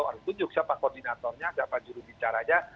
harus tunjuk siapa koordinatornya siapa jurubicaranya